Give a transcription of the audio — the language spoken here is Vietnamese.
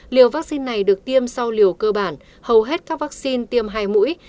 liều vắc xin này được tiêm sau liều cơ bản hầu hết các vắc xin tiêm hai mũi